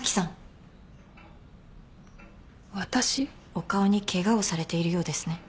お顔にケガをされているようですね。